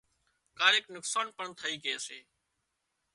ڪاريڪ نقصان پڻ ٿئي ڪي سي